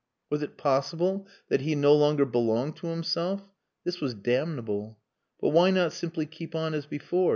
Was it possible that he no longer belonged to himself? This was damnable. But why not simply keep on as before?